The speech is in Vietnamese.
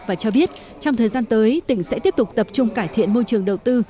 và cho biết trong thời gian tới tỉnh sẽ tiếp tục tập trung cải thiện môi trường đầu tư